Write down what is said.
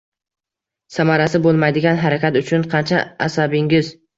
Samarasi bo’lmaydigan harakat uchun qancha asabingiz